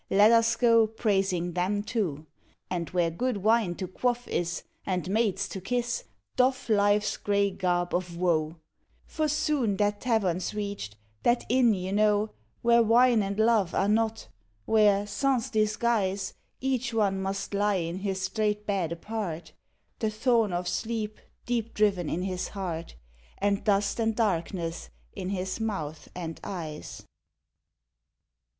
Let us go Praising them too. And where good wine to quaff is And maids to kiss, doff life's gray garb of woe; For soon that tavern's reached, that inn, you know, Where wine and love are not, where, sans disguise, Each one must lie in his strait bed apart, The thorn of sleep deep driven in his heart, And dust and darkness in his mouth and eyes.